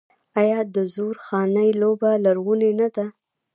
آیا د زورخانې لوبه لرغونې نه ده؟